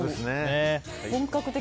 本格的。